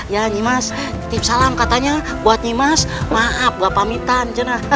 ya nyimas tipsalam katanya buat nyimas maaf gak pamitan